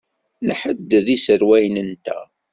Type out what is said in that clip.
Nḥedded iserwalen-nteɣ.